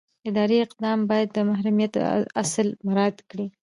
اداري اقدام باید د محرمیت اصل مراعات کړي.